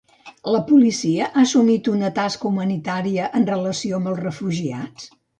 La policia ha assumit una tasca humanitària en relació amb els refugiats?